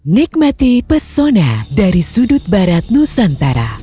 nikmati pesona dari sudut barat nusantara